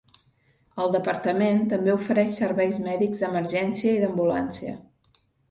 El departament també ofereix serveis mèdics d'emergència i d'ambulància.